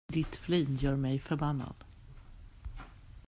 Ditt flin gör mig förbannad.